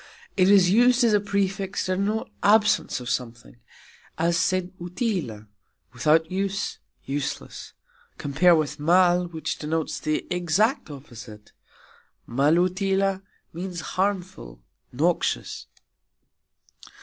It is used as a prefix to denote absence of something, as "sen utila", without use, useless (compare with "mal", which denotes the exact opposite; "malutila" means "harmful, noxious").